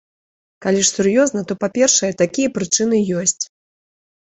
Калі ж сур'ёзна, то, па-першае, такія прычыны ёсць.